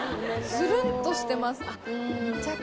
つるんとしてます。